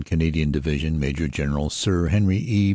Canadian Division, Maj. General Sir Henry E.